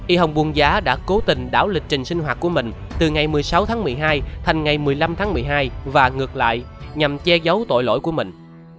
y hồng buông giá đã cố tình đảo lịch trình sinh hoạt của mình từ ngày một mươi sáu tháng một mươi hai thành ngày một mươi năm tháng một mươi hai và ngược lại nhằm che giấu tội lỗi của mình